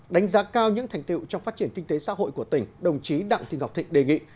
đánh giá cao những thành tiệu trong phát triển kinh tế xã hội của tỉnh đồng chí đặng thị ngọc thịnh đề nghị